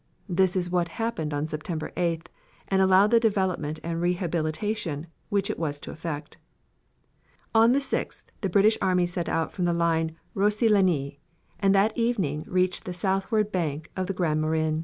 This is what happened on September 8th and allowed the development and rehabilitation which it was to effect. On the 6th the British army set out from the line Rozcy Lagny and that evening reached the southward bank of the Grand Morin.